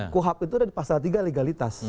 kuhap itu ada di pasal tiga legalitas